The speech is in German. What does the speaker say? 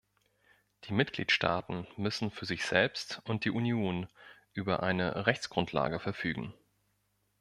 Die Mitgliedstaaten müssen für sich selbst und die Union über eine Rechtsgrundlage verfügen.